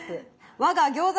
我が餃子